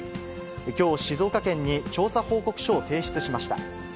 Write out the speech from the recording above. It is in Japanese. きょう、静岡県に調査報告書を提出しました。